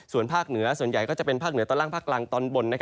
ส่วนภาคเหนือส่วนใหญ่ก็จะเป็นภาคเหนือตอนล่างภาคกลางตอนบน